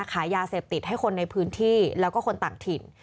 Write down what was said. ขายยาเสพติดให้คนในพื้นที่แล้วก็คนต่างถิ่น